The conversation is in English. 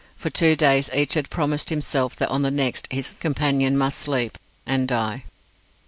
For two days each had promised himself that on the next his companion must sleep and die.